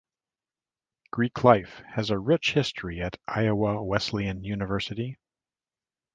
Greek life has a rich history at Iowa Wesleyan University.